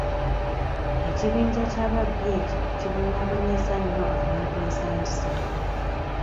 Ekibinja ky'ababbi ekyo kibonyaabonyezza nnyo abantu ensangi zino.